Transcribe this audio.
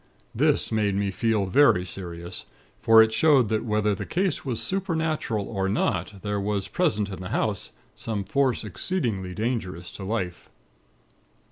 This made me feel very serious; for it showed that whether the cause was supernatural or not, there was present in the house some force exceedingly dangerous to life.